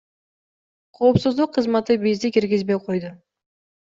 Коопсуздук кызматы бизди киргизбей койду.